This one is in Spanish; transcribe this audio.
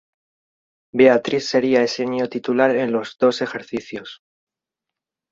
Beatriz sería ese año titular en los dos ejercicios.